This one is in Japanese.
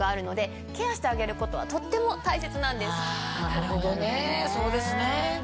なるほどねそうですね。